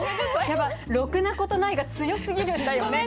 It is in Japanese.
やっぱ「ろくなことない」が強すぎるんだよね。